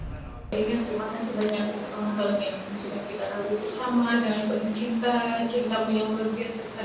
saya ingin terima kasih banyak untuk teman teman yang sudah kita ragu bersama